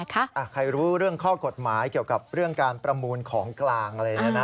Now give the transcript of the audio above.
ใครรู้เรื่องข้อกฎหมายเกี่ยวกับเรื่องการประมูลของกลางอะไรเนี่ยนะ